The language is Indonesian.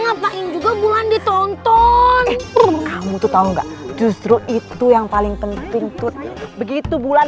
ngapain juga bulan ditonton kamu tuh tahu enggak justru itu yang paling penting tuh begitu bulan